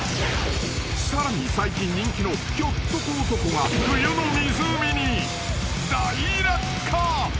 ［さらに最近人気のひょっとこ男が冬の湖に大落下］